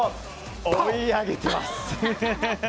追い上げています。